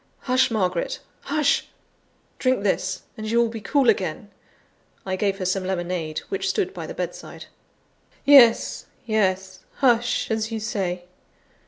"Hush, Margaret! hush! drink this, and you will be cool again." I gave her some lemonade, which stood by the bedside. "Yes, yes; hush, as you say.